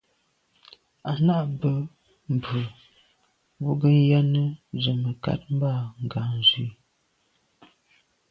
À’ nâ’ bə́ mbrə̀ bú gə ́yɑ́nə́ zə̀ mə̀kát mbâ ngɑ̀ zwí.